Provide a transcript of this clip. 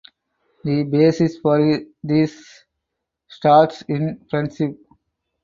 The basis for this starts in friendship.